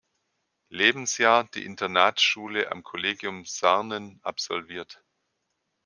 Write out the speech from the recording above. Lebensjahr die Internatsschule am Kollegium Sarnen absolviert.